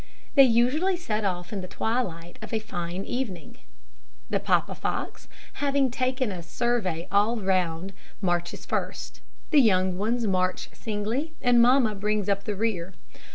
They usually set off in the twilight of a fine evening. The papa fox having taken a survey all round, marches first, the young ones march singly, and mamma brings up the rear.